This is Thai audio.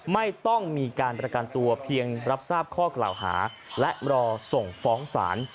ไม่ต้องมีการประกันตัวเพียงรับทราบข้อกล่าวหาและรอส่งฟ้องศาล